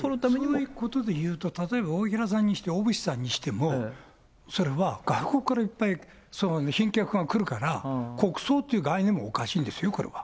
そういうことでいうと例えば大平さんにしても小渕さんにしても、それは外国からいっぱい、賓客が来るから、国葬という概念もおかしいんですよ、これは。